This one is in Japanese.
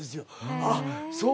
ああそう。